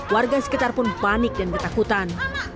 warga sekitar pun panik dan ketakutan